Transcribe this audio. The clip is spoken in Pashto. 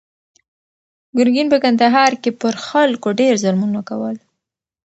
ګرګین په کندهار کې پر خلکو ډېر ظلمونه کول.